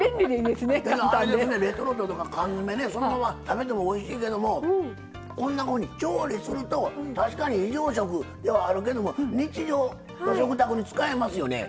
レトルトとか缶詰でそのまま食べてもおいしいけどもこんなふうに調理すると確かに非常食ではあるけども日常の食卓にも使えますよね。